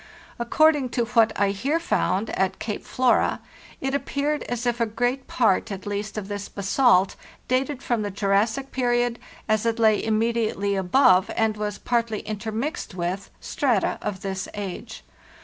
According to what I here found at Cape Flora, it ap peared as if a great part at least of this basalt dated from the Jurassic period, as it lay immediately above, and was partly intermixed with, strata of this age.